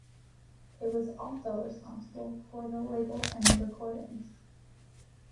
It was also responsible for the label End Recordings.